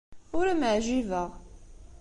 Ur am-ɛjibeɣ.